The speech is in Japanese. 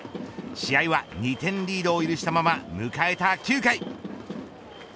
試合は２点リードを許したまま迎えた９回。